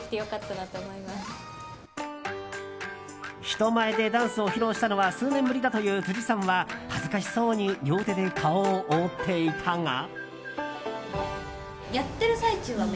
人前でダンスを披露したのは数年ぶりだという辻さんは恥ずかしそうに両手で顔を覆っていたが。